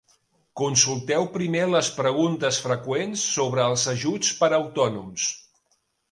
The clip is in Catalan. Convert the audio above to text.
Consulteu primer les preguntes freqüents sobre els ajuts per a autònoms.